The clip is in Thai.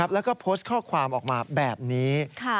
แล้วก็โพสต์ข้อความออกมาแบบนี้